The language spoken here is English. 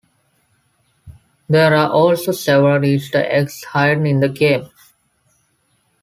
There are also several easter eggs hidden in the game.